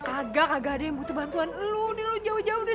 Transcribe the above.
kagak ada yang butuh bantuan lo ini lo jauh jauh deh